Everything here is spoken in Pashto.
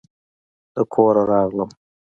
د کوره راغلم